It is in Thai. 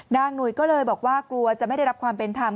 หนุ่ยก็เลยบอกว่ากลัวจะไม่ได้รับความเป็นธรรม